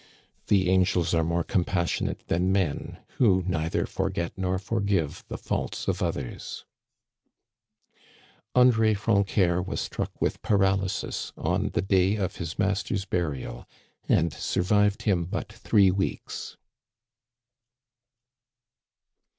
The angels are more compassionate than men, who neither forget nor forgive the faults of others ! André Francœur was struck with paralysis on the day of his master's burial, and survived him but three weeks.